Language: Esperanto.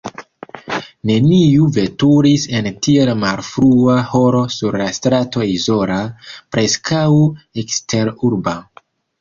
Neniu veturis en tiel malfrua horo sur la strato izola, preskaŭ eksterurba.